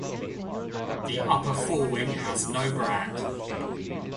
The upper forewing has no brand.